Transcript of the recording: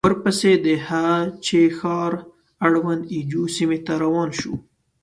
ورپسې د هه چه ښار اړوند اي جو سيمې ته روان شوو.